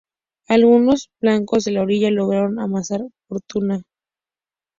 Algunos blancos de orilla lograron amasar fortuna.